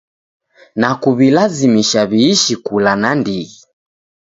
Na kuw'ilazimisha w'iishi kula nandighi